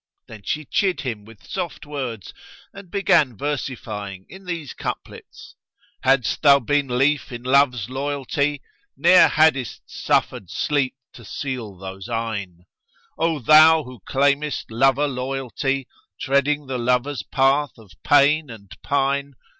Then she chid him with soft words and began versifying in these couplets, "Hadst thou been leaf in love's loyalty, * Ne'er haddest suffered sleep to seal those eyne: O thou who claimest lover loyalty, * Treading the lover's path of pain and pine!